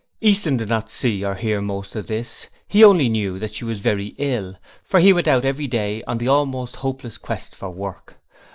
Easton did not see or hear most of this; he only knew that she was very ill; for he went out every day on the almost hopeless quest for work.